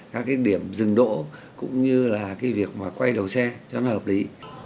các cái điểm dừng đỗ cũng như là cái việc mà quay đầu xe cho nó hợp lý